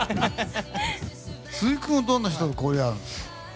鈴木君はどんな人と交流があるんですか？